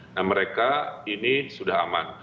nah mereka ini sudah aman